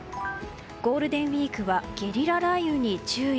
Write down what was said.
ゴールデンウィークはゲリラ雷雨に注意。